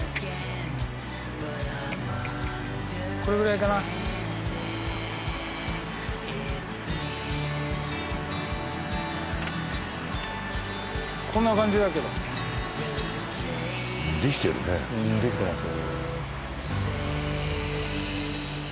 これぐらいかなこんな感じだけどできてるねうんできてます